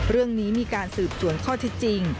เรื่องนี้มีการสืบสวนข้อเท็จจริง